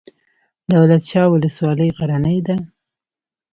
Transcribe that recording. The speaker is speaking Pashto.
دولت شاه ولسوالۍ غرنۍ ده؟